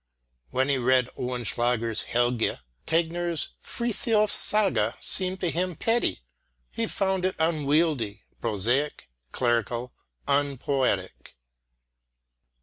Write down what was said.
When he read Oehlenschläger's Helge, Tegner's Frithiof's Saga seemed to him petty; he found it unwieldy, prosaic, clerical, unpoetic.